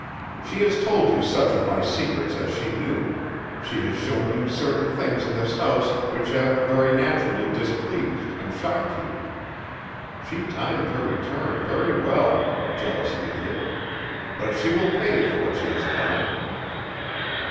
She has told you such of my secrets as she knew, she has shown you certain things in this house which have very naturally displeased and shocked you. She timed her return very well jealous idiot! but she will pay for what she has done."